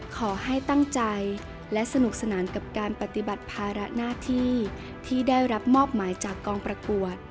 ขอให้ตั้งใจและสนุกสนานกับการปฏิบัติภาระหน้าที่ที่ได้รับมอบหมายจากกองประกวด